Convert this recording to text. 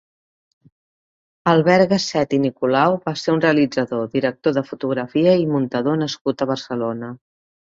Albert Gasset i Nicolau va ser un realitzador, director de fotografia i muntador nascut a Barcelona.